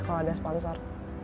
kalau ada sponsor